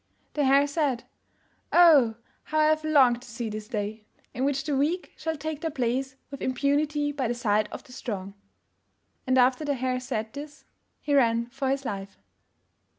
The Hare said, "Oh, how I have longed to see this day, in which the weak shall take their place with impunity by the side of the strong." And after the Hare said this, he ran for his life.